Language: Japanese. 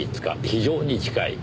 非常に近い。